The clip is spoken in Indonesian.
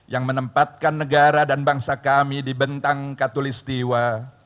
yang menempatkan negara dan bangsa kami di bentang katulistiwa